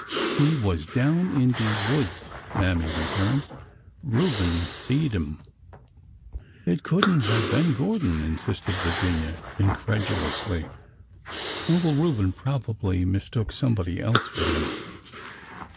" He was down in de woods," Mammy returned. Reuben seed 'im." '' It could n't have been Gordon," insisted Virginia, in credulously. Uncle Reuben probably mistook some body else for him."